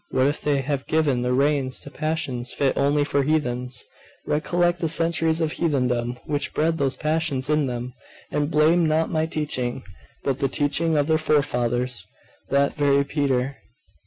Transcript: What if they have given the reins to passions fit only for heathens? Recollect the centuries of heathendom which bred those passions in them, and blame not my teaching, but the teaching of their forefathers. That very Peter....